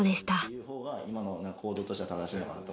今の行動としては正しいのかなと。